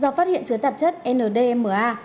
do phát hiện chứa tạp chất ndma